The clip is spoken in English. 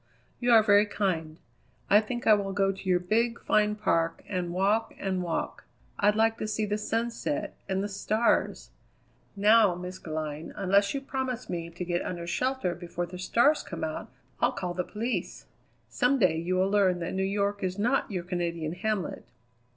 You are very kind; I think I will go to your big, fine park and walk and walk. I'd like to see the sun set and the stars " "Now, Miss Glynn, unless you promise me to get under shelter before the stars come out I'll call the police. Some day you will learn that New York is not your Canadian hamlet."